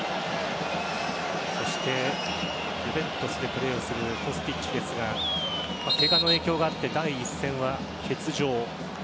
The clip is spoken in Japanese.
そしてユヴェントスでプレーをするコスティッチですがけがの影響があって第１戦は欠場。